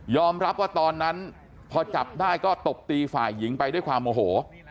รับว่าตอนนั้นพอจับได้ก็ตบตีฝ่ายหญิงไปด้วยความโมโห